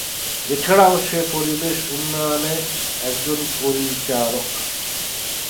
এছাড়াও সে পরিবেশ উন্নয়নের একজন প্রচারক।